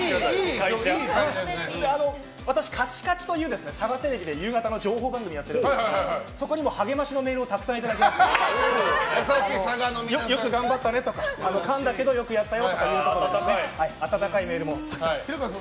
私、「カチカチ」というサガテレビで夕方の情報番組をやっていましてそこにも励ましのメールをたくさんいただきましてよく頑張ったねとかかんだけど、よくやったよなど温かいメールもたくさん。